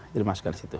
jadi dimasukkan ke situ